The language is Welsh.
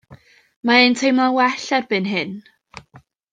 Mae e'n teimlo'n well erbyn hyn.